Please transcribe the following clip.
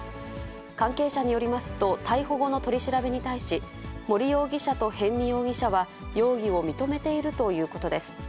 関係者によりますと、逮捕後の取り調べに対し、森容疑者と逸見容疑者は、容疑を認めているということです。